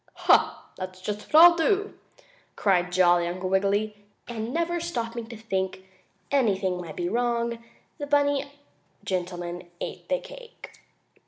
"Ha! That's just what I'll do!" cried jolly Uncle Wiggily, and, never stopping to think anything might be wrong, the bunny gentleman ate the cake.